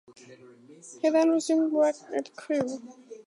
He then resumed work at Crewe.